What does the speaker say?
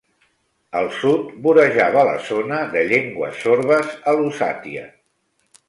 Al sud, vorejava la zona de llengües sorbes a Lusatia.